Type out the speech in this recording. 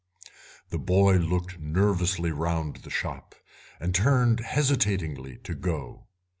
The boy looked nervously round the shop, and turned hesitatingly to go.